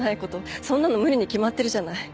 そんなの無理に決まってるじゃない。